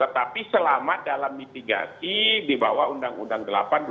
tetapi selamat dalam mitigasi di bawah undang undang delapan dua ribu sembilan belas